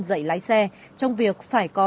dạy lái xe trong việc phải có